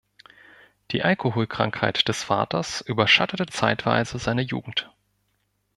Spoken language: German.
Die Alkoholkrankheit des Vaters überschattete zeitweise seine Jugend.